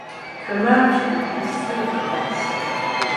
Camacho has three brothers.